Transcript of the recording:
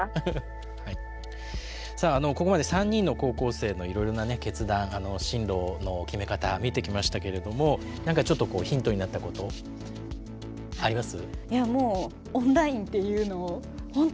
さあここまで３人の高校生のいろいろな決断進路の決め方見てきましたけれどもなんかちょっとこうヒントになったことあります？